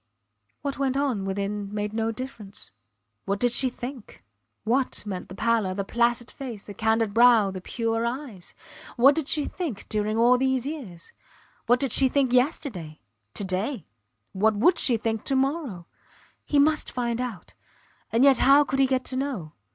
... What went on within made no difference. What did she think? What meant the pallor, the placid face, the candid brow, the pure eyes? What did she think during all these years? What did she think yesterday to day; what would she think to morrow? He must find out. ... And yet how could he get to know?